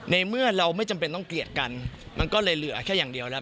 ในเมื่อเราไม่จำเป็นต้องเกลียดกันมันก็เลยเหลือแค่อย่างเดียวแล้ว